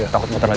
takut motor lagi